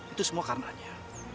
itu semua karenanya